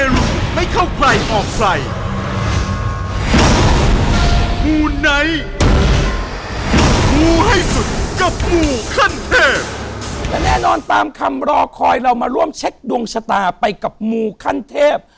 และแน่นอนตามคำรอคอยเรามาร่วมเช็คดวงชะตาไปกับมูขั้นเทพ